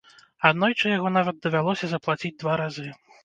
Аднойчы яго нават давялося заплаціць два разы.